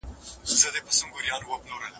کتابتون څېړنه یو ډېر پخوانی میتود دئ.